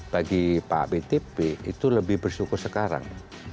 bagi pak btp itu lebih bersyukur sekarang